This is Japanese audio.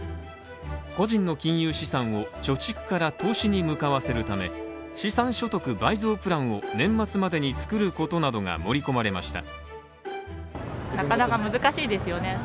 個人の金融資産を貯蓄から投資に向かわせるため、資産所得倍増プランを年末までに作ることなどが盛り込まれました。